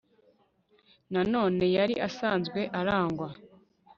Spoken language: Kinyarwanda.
nanone yari asanzwe arangwa